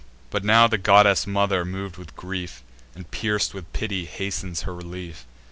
But now the goddess mother, mov'd with grief, And pierc'd with pity, hastens her relief.